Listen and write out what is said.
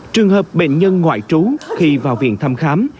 trường hợp bệnh nhân ngoại trú khi vào viện thăm khám